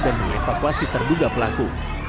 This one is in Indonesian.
dan mengevakuasi terduga pelaku